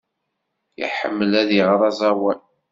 Iḥemmel ad iɣer aẓawan.